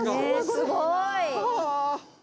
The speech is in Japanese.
すごい！